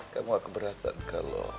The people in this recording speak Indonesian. kamu gak keberatan kalau